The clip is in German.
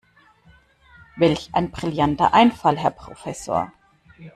Welch ein brillanter Einfall, Herr Professor!